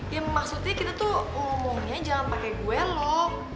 ya maksudnya kita tuh ngomongnya jangan pake gue lho